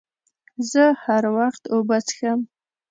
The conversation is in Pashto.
زه هر وخت اوبه څښم.